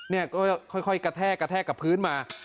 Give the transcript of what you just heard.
เนี่ยก็ค่อยกระแทกกระแทกกับพื้นมา